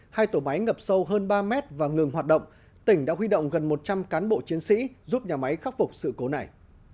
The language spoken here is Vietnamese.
hai tổ máy ngập sâu hơn ba mét và ngừng hoạt động tỉnh đã huy động gần một trăm linh cán bộ chiến sĩ giúp nhà máy khắc phục sự cố này